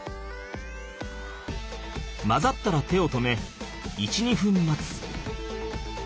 混ざったら手を止め１２分待つ。